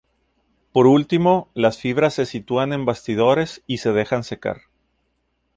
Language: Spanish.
Por último, las fibras se sitúan en bastidores y se dejan secar.